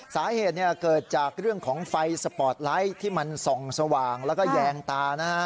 สาเหตุเกิดจากเรื่องของไฟสปอร์ตไลท์ที่มันส่องสว่างแล้วก็แยงตานะฮะ